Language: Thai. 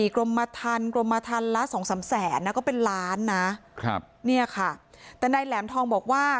๔กรมมทันและ๒๓แสนก็เป็นล้านนะแต่นายแหลมทองบอกว่า